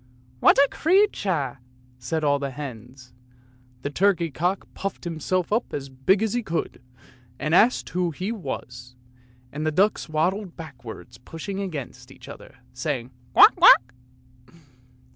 "What a creature!" said all the hens. The turkey cock puffed himself up as big as he could, and asked who he was; and the ducks waddled backwards, pushing against each other, saying, " Quack, quack!